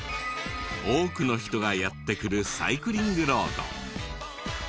多くの人がやって来るサイクリングロード。